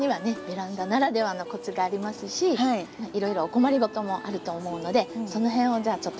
ベランダならではのコツがありますしいろいろお困りごともあると思うのでその辺をじゃあちょっと今日はお話ししたいと思います。